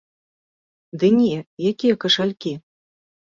Ды не, якія кашалькі.